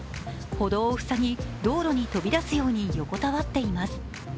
歩道を塞ぎ、道路に飛び出すように横たわっています。